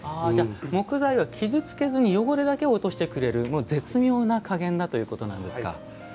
木材は傷つけずに汚れだけを落としてくれる絶妙なかげんだということなんですか。